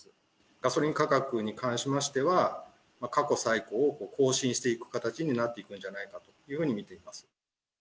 ガソリン価格に関しましては、過去最高を更新していく形になっていくんじゃないかというふうに見ています。